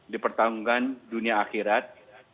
dipertanggungkan dunia akhirat